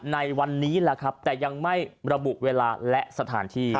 ในวันนี้แต่ยังไม่ระบุเวลาและสถานที่